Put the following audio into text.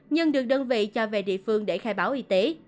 nhưng được đơn vị cho về địa phương để khai báo y tế